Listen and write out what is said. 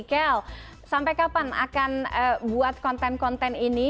kel sampai kapan akan buat konten konten ini